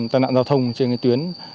tàn nạn giao thông trên tuyến